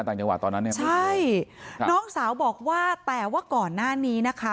ต่างจังหวัดตอนนั้นเนี่ยใช่น้องสาวบอกว่าแต่ว่าก่อนหน้านี้นะคะ